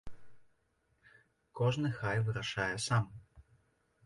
Кожны хай вырашае сам.